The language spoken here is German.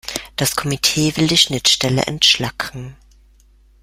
Das Komitee will die Schnittstelle entschlacken.